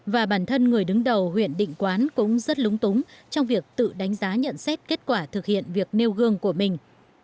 và bản thân người đứng đầu huyện định quán cũng rất lúng túng trong việc tự đánh giá nhận xét kết quả thực hiện việc nêu gương của mình